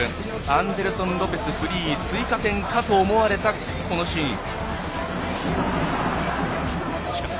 アンデルソン・ロペスがフリーで追加点かと思われたシーン。